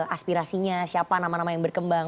aspirasinya siapa nama nama yang berkembang